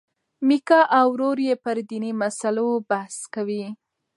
میکا او ورور یې پر دیني مسلو بحث کوي.